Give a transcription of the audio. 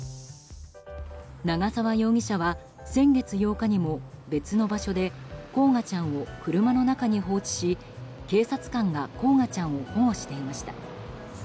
長澤容疑者は先月８日にも別の場所で煌翔ちゃんを車の中に放置し警察官が煌翔ちゃんを保護していました。